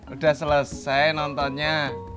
udah selesai nontonnya